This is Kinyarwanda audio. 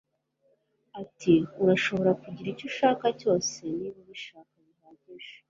Ati Urashobora kugira icyo ushaka cyose niba ubishaka bihagije